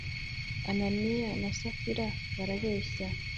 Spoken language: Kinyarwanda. ananiya na safira barabeshya